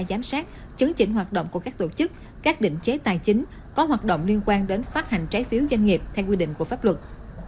giám sát chấn chỉnh hoạt động của các tổ chức các định chế tài chính có hoạt động liên quan đến phát hành trái phiếu doanh nghiệp theo quy định của pháp luật